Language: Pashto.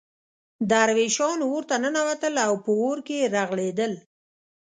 درویشان اورته ننوتل او په اور کې رغړېدل.